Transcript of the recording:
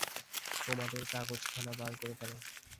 তোমাদের কাগজখানা বার করে ফেল।